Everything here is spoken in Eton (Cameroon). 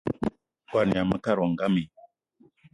Ngo yama mekad wo ngam i?